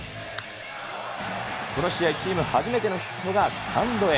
この試合、チーム初めてのヒットがスタンドへ。